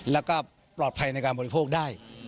แล้วก็ปลอดภัยในการบริโภคได้